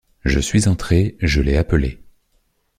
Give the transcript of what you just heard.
Je suis entrée, je l’ai appelé.